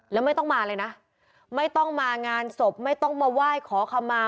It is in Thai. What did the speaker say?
แล้วไม่ต้องมาเลยนะไม่ต้องมางานศพไม่ต้องมาไหว้ขอคำมา